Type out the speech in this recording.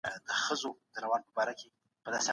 سياستوال بايد د ټولني د فرهنګي ارزښتونو خيال وساتي.